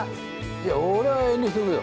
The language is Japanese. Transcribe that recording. いや俺は遠慮しとくよ。